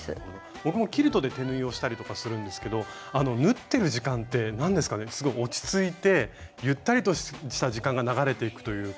僕もキルトで手縫いをしたりとかするんですけどあの縫ってる時間って何ですかねすごい落ち着いてゆったりとした時間が流れていくというか。